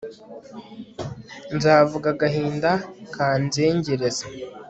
nzavuga agahinda kanzengereza